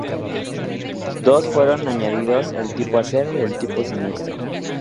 Dos fueron añadidos, el tipo acero y el tipo siniestro.